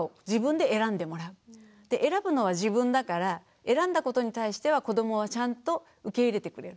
選ぶのは自分だから選んだことに対しては子どもはちゃんと受け入れてくれる。